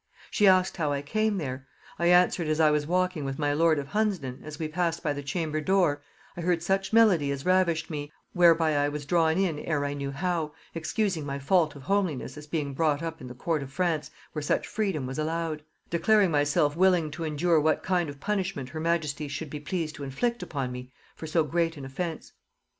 She asked how I came there? I answered, as I was walking with my lord of Hunsdon, as we passed by the chamber door, I heard such melody as ravished me, whereby I was drawn in ere I knew how, excusing my fault of homeliness as being brought up in the court of France, where such freedom was allowed; declaring myself willing to endure what kind of punishment her majesty should be pleased to inflict upon me, for so great an offence.